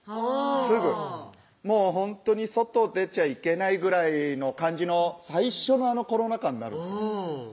すぐもうほんとに外出ちゃいけないぐらいの感じの最初のコロナ禍になるんですうん